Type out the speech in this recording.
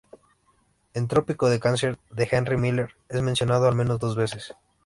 En "Trópico de Cáncer" de Henry Miller, es mencionado al menos dos veces.